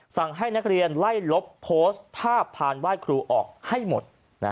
สั่งให้นักเรียนไล่ลบโพสต์ภาพพานไหว้ครูออกให้หมด